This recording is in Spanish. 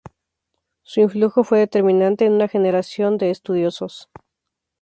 Su influjo fue determinante en una generación de estudiosos.